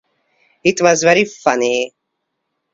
It was very funny.